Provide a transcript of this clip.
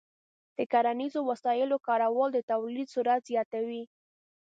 د کرنیزو وسایلو کارول د تولید سرعت زیاتوي.